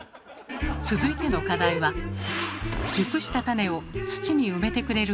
続いての課題はそこで。